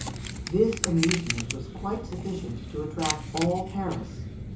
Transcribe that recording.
This amusement was quite sufficient to attract all Paris.